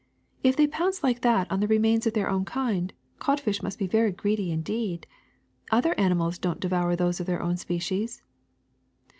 If they pounce like that on the remains of their own kind, codfish must be very greedy indeed ! Other animals don't devour those of their own species."